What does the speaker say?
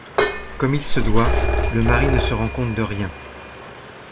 Comme il se doit, le mari ne se rend compte de rien.